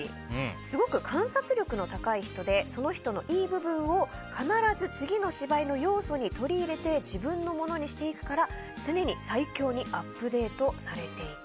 すごく観察の高い人でその人のいい部分を必ず次の芝居の要素に取り入れて自分のものにしていくから常に最強にアップデートされていく。